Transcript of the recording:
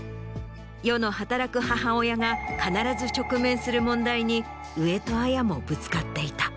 世の働く母親が必ず直面する問題に上戸彩もぶつかっていた。